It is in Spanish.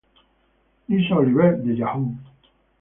Lisa Oliver de Yahoo!